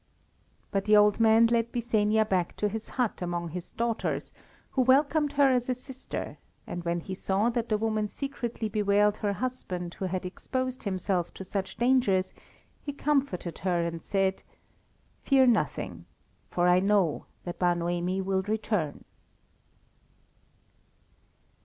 But the old man led Byssenia back to his hut among his daughters, who welcomed her as a sister, and when he saw that the woman secretly bewailed her husband who had exposed himself to such dangers, he comforted her, and said "Fear nothing, for I know that Bar Noemi will return."